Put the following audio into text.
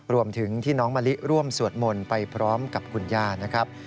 รวมถึงที่น้องมะลิร่วมสวดมนต์ไปพร้อมกับคุณย่านะครับ